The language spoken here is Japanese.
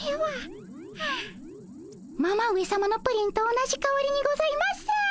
はあママ上さまのプリンと同じかおりにございます。